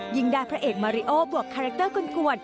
ยิ่งได้พระเอกมาริโอบวกคาแรคเตอร์กลวน